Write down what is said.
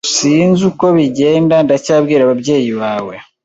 Sinzi uko bigenda, ndacyabwira ababyeyi bawe.